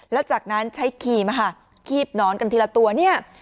แล้วจากนั้นใช้ขี่มาฮะขีบหนอนกันทีละตัวนี่